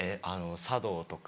茶道とか。